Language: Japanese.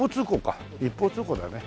一方通行だよね。